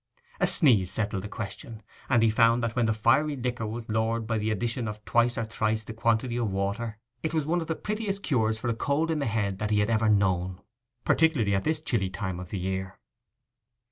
A sneeze settled the question; and he found that when the fiery liquor was lowered by the addition of twice or thrice the quantity of water, it was one of the prettiest cures for a cold in the head that he had ever known, particularly at this chilly time of the year.